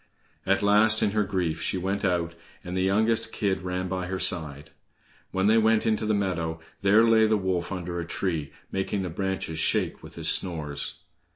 At last, in her grief, she went out, and the youngest kid ran by her side. When they went into the meadow, there lay the wolf under a tree, making the branches shake with his snores.